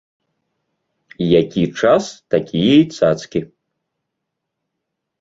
Які час, такія і цацкі.